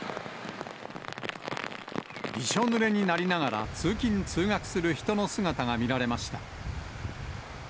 びしょぬれになりながら通勤・通学する人の姿が見られました。